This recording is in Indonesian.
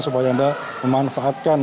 supaya anda memanfaatkan